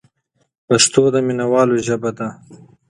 پښتو د مینوالو ژبه ده.